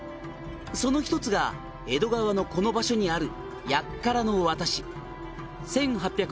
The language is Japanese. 「その１つが江戸川のこの場所にある」